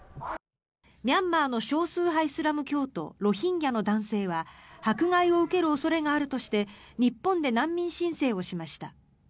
ミャンマーの少数派イスラム教徒ロヒンギャの男性は迫害を受ける恐れがあるとして日本で難民申請をしました。